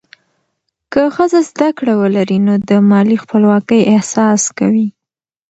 که ښځه زده کړه ولري، نو د مالي خپلواکۍ احساس کوي.